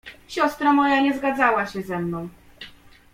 "Siostra moja nie zgadzała się ze mną."